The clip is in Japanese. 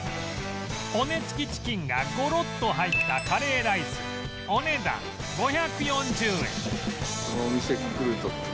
骨付きチキンがゴロッと入ったカレーライスお値段５４０円